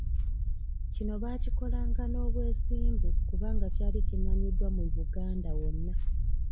Kino baakikolanga n'obwesimbu kubanga kyali kimanyiddwa mu Buganda wonna.